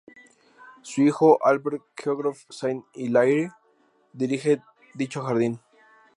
Su hijo, Albert Geoffroy Saint-Hilaire, dirige dicho jardín.